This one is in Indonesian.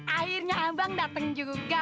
akhirnya abang dateng juga